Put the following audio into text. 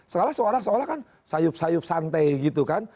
sekalian seolah seolah kan sayup sayup santai gitu kan